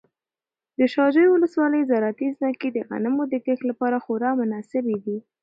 د شاجوی ولسوالۍ زراعتي ځمکې د غنمو د کښت لپاره خورا مناسبې دي.